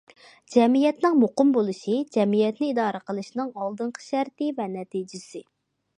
جەمئىيەتنىڭ مۇقىم بولۇشى جەمئىيەتنى ئىدارە قىلىشنىڭ ئالدىنقى شەرتى ۋە نەتىجىسى.